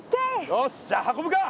よしじゃあ運ぶか！